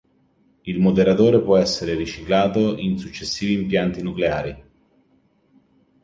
Il moderatore può essere riciclato in successivi impianti nucleari.